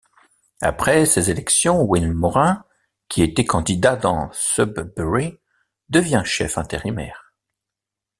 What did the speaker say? Après ces élections Will Morin, qui était candidat dans Sudbury, devient chef intérimaire.